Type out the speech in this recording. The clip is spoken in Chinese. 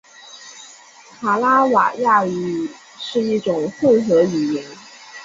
卡拉瓦亚语是一种混合语言。